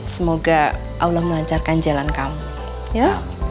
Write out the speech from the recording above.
semoga allah melancarkan jalan kamu ya